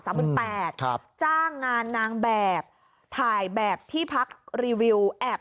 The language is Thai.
แปดครับจ้างงานนางแบบถ่ายแบบที่พักรีวิวแอบ